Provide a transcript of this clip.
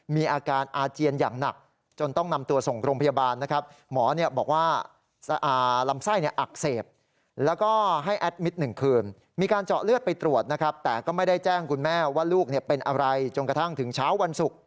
มีอาการอาเจียนอย่างหนักจนต้องนำตัวส่งโรงพยาบาลนะครับ